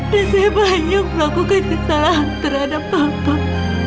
dan saya banyak melakukan kesalahan terhadap bapak